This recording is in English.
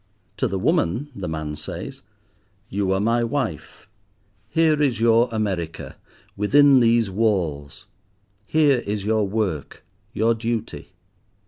To the woman the man says, "You are my wife. Here is your America, within these walls, here is your work, your duty."